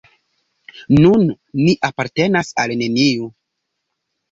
Nun ni apartenas al neniu.